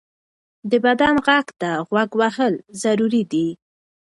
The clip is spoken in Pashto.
د بدن غږ ته غوږ وهل ضروري دی.